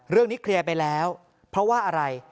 เรื่องนี้เคลียร์ไปแล้วเพราะว่าอะไร